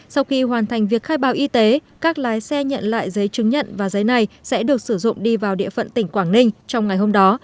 sau khi hoàn thành việc khai báo y tế các lái xe nhận lại giấy chứng nhận và giấy này sẽ được sử dụng đi vào địa phận tỉnh quảng ninh trong ngày hôm đó